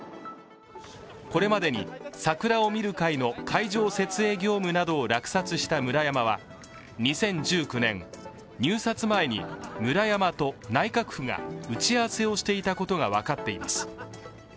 これまでに桜を見る会の会場設営業務などを落札したムラヤマは２０１９年、入札前にムラヤマと内閣府が打ち合わせをしていたことが分かっています。